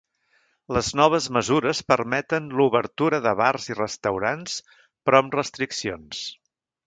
Les noves mesures permeten l’obertura de bars i restaurants, però amb restriccions.